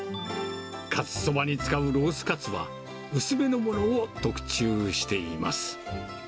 かつそばに使うロースカツは、薄めのものを特注しています。